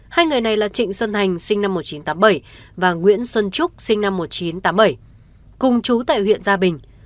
hai người này là trịnh xuân hành sinh năm một nghìn chín trăm tám mươi bảy và nguyễn xuân trúc sinh năm một nghìn chín trăm tám mươi bảy cùng chú tại huyện gia bình